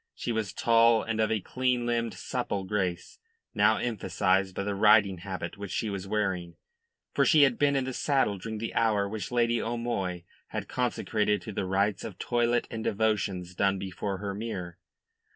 She was tall and of a clean limbed, supple grace, now emphasised by the riding habit which she was wearing for she had been in the saddle during the hour which Lady O'Moy had consecrated to the rites of toilet and devotions done before her mirror.